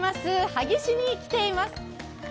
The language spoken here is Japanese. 萩市に来ています。